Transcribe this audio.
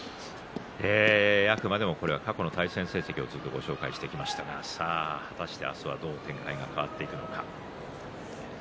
あくまで過去の対戦成績を紹介してきましたが果たして明日はどう展開が変わっていくのか。